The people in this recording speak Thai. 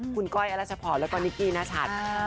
คุณก้อยเอลลักษณ์สกปรแล้วก็นิกกี้นชัด